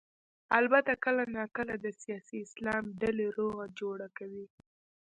البته کله نا کله د سیاسي اسلام ډلې روغه جوړه کوي.